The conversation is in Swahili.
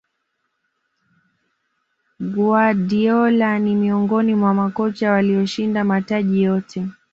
guardiola ni miongoni mwa makocha walioshinda mataji yote